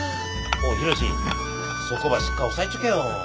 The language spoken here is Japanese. おう浩志そこばしっか押さえちょけよ。